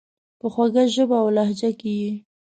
په خوږه ژبه اولهجه کي یې،